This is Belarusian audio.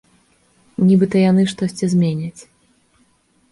Нібыта яны штосьці зменяць.